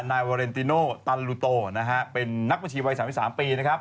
นายวาเลนติโนตัลลูโตเป็นนักบัญชีวัย๓๓ปี